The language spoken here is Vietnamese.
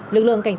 lực lượng cảnh sát